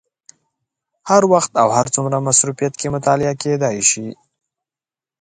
هر وخت او هر څومره مصروفیت کې مطالعه کېدای شي.